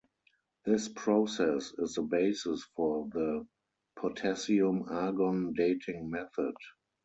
This process is the basis for the potassium-argon dating method.